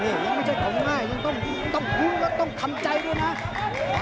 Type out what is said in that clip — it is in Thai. นี่ยังไม่ใช่ของง่ายยังต้องคุ้นแล้วต้องทำใจด้วยนะ